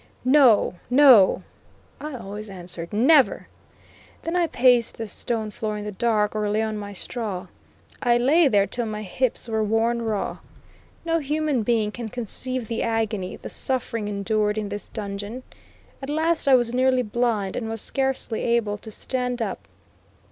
"No, no!" I always answered, "never!" Then I paced the stone floor in the dark, or lay on my straw. I lay there till my hips were worn raw. No human being can conceive the agony, the suffering endured in this dungeon. At last I was nearly blind, and was scarcely able to stand up.